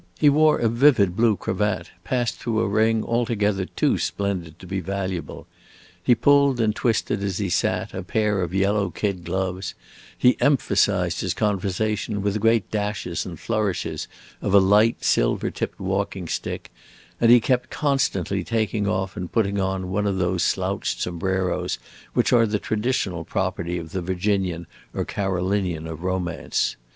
He wore a vivid blue cravat, passed through a ring altogether too splendid to be valuable; he pulled and twisted, as he sat, a pair of yellow kid gloves; he emphasized his conversation with great dashes and flourishes of a light, silver tipped walking stick, and he kept constantly taking off and putting on one of those slouched sombreros which are the traditional property of the Virginian or Carolinian of romance.